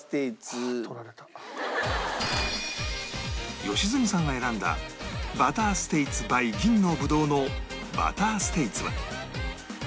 良純さんが選んだバターステイツ ｂｙ 銀のぶどうのバターステイツは